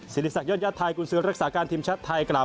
ศิริษักรยศยาติไทยกุญศึรักษาการทีมชัดไทยกล่าว